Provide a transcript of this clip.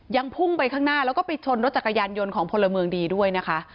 พุ่งไปข้างหน้าแล้วก็ไปชนรถจักรยานยนต์ของพลเมืองดีด้วยนะคะ